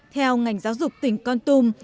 theo ngành giáo dục tỉnh con tum